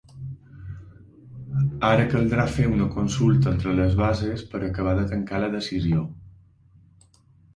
Ara caldrà fer una consulta entre les bases per acabar de tancar la decisió.